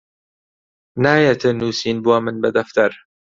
نایەتە نووسین بۆ من بە دەفتەر